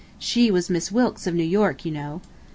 She was Miss Wilkes of New York, you know.